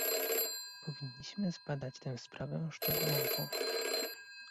Powinniśmy zbadać tę sprawę szczegółowo